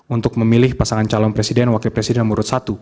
untuk memilih pasangan calon presiden wakil presiden nomor satu